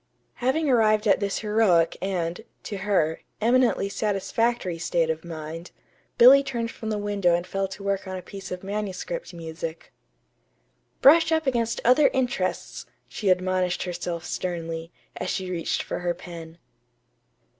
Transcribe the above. Having arrived at this heroic and (to her) eminently satisfactory state of mind, Billy turned from the window and fell to work on a piece of manuscript music. "'Brush up against other interests,'" she admonished herself sternly, as she reached for her pen.